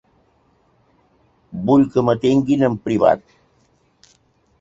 Vull que m'atenguin en privat.